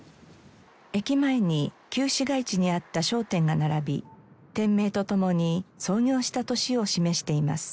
駅前に旧市街地にあった商店が並び店名と共に創業した年を示しています。